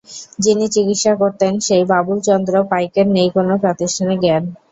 যিনি চিকিত্সা করতেন সেই বাবুল চন্দ্র পাইকের নেই কোনো প্রাতিষ্ঠানিক জ্ঞান।